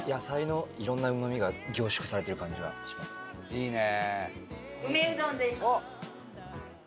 いいね！